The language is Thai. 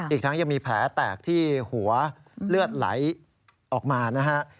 อีกทั้งยังมีแผลแตกที่หัวเลือดไหลออกมานะฮะ